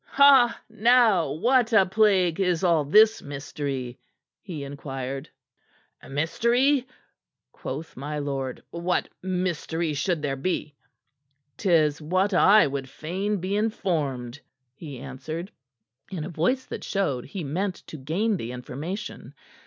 "Now what a plague is all this mystery?" he inquired. "Mystery?" quoth my lord. "What mystery should there be?" "'Tis what I would fain be informed," he answered in a voice that showed he meant to gain the information.